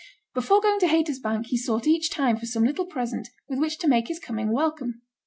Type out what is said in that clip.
Before going to Haytersbank he sought each time for some little present with which to make his coming welcome.